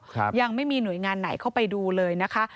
ยังไม่มีหน่วยงานไหนเข้าไปดูเลยนะคะ